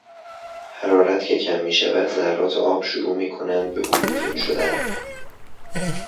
حرارت که کم میشود ذرات آب شروع میکنند به بلورین شدن.